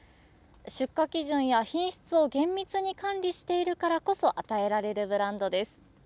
出荷基準や品質を厳密に管理しているからこそ与えられるブランドです。